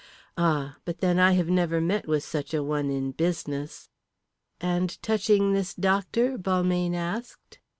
Ah! But then I have never met with such a one in business." "And touching this doctor?" Balmayne asked.